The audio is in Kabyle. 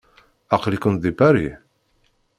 Aql-ikent deg Paris?